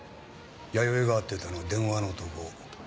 弥生が会っていたのは電話の男。